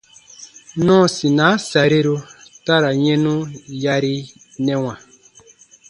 Nɔɔsinaa sariru ta ra yɛnu yarinɛwa.